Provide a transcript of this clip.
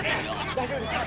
大丈夫ですか？